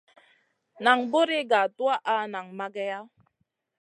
Nan buri ga tuwaʼa nang mageya.